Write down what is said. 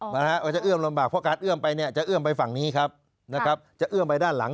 เขาจะวิ่งเหมือนกับชั้นเราหรือเปล่าเขาจะเอื้อมลำบากครับ